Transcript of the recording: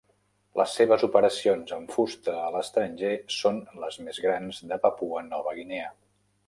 Les seves operacions amb fusta a l'estranger són les més grans de Papua Nova Guinea.